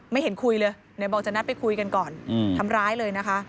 ไม่เห็นคุยเลยไหนบอกจะนัดไปคุยกันก่อนทำร้ายเลยนะคะ